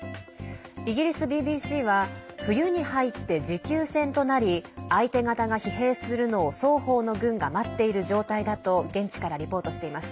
イギリスＢＢＣは冬に入って持久戦となり相手方が疲弊するのを双方の軍が待っている状態だと現地からリポートしています。